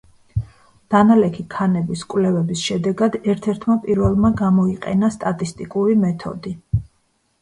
დანალექი ქანების კვლევების შედეგად ერთ-ერთმა პირველმა გამოიყენა სტატისტიკური მეთოდი.